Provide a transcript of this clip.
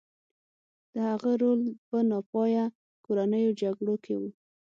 د هغه رول په ناپایه کورنیو جګړو کې و.